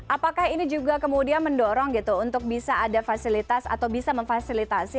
apakah ini juga kemudian mendorong gitu untuk bisa ada fasilitas atau bisa memfasilitasi